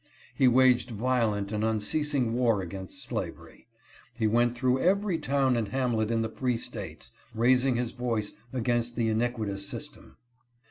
He waged violent and unceasing war against slavery. He went through every town and hamlet in the Free States, raising his voice against the iniquitous system.